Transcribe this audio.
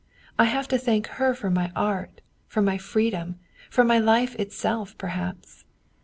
I have to thank her for my art, for my freedom, for my life itself, perhaps.